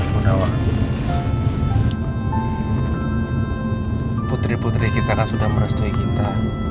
bu nawang putri putri kita kan sudah merestui kita